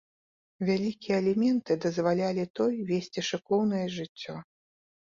Вялікія аліменты дазвалялі той весці шыкоўнае жыццё.